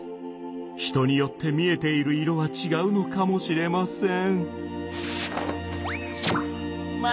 人によって見えている色は違うのかもしれません。